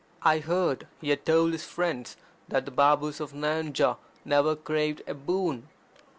I heard he had told his friends that the Babus of Nayanjore never craved a boon.